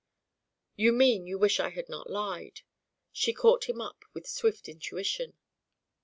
"You mean you wish I had not lied!" She caught him up with swift intuition.